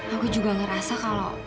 aku juga ngerasa kalau